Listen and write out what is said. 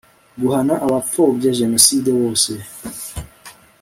guhana abapfobya jenoside bose